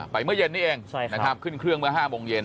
ไปเมื่อเย็นนี่เองขึ้นเครื่องเมื่อ๕โมงเย็น